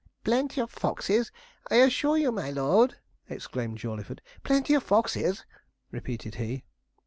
'Plenty of foxes, I assure you, my lord!' exclaimed Jawleyford. 'Plenty of foxes!' repeated he.